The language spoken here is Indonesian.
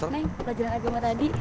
neng belajar agama tadi